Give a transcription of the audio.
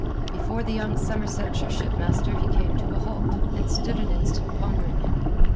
Before the young Somersetshire shipmaster he came to a halt, and stood an instant pondering him.